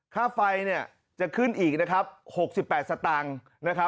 ค่าไฟจะขึ้นอีก๖๘สตางค์